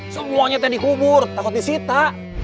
sebuahnya tak dikubur takut disita